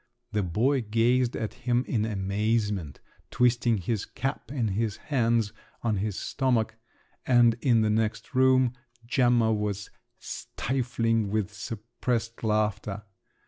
The boy gazed at him in amazement, twisting his cap in his hands on his stomach, and in the next room, Gemma was stifling with suppressed laughter.